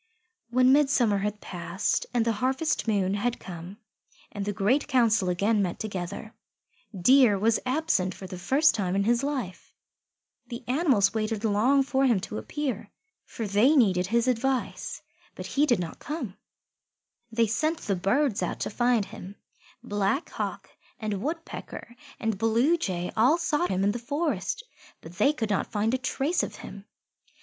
When midsummer had passed and the harvest moon had come and the Great Council again met together, Deer was absent for the first time in his life. The animals waited long for him to appear, for they needed his advice, but he did not come. They sent the Birds out to find him. Black Hawk and Woodpecker and Bluejay all sought him in the forest, but they could not find a trace of him.